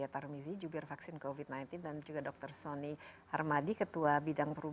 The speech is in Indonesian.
terima kasih dr nadia